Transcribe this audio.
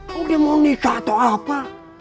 mau dia mau nikah atau apa